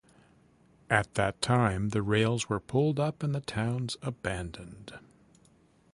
At that time, the rails were pulled up and the towns abandoned.